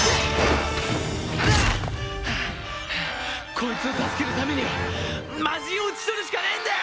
こいつを助けるためには魔人を打ち取るしかねえんだよ！